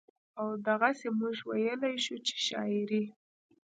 او دغسې مونږ وئيلے شو چې شاعري